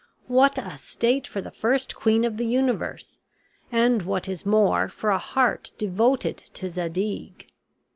What a state for the first queen of the universe, and, what is more, for a heart devoted to Zadig!"